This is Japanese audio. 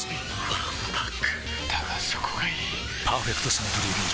わんぱくだがそこがいい「パーフェクトサントリービール糖質ゼロ」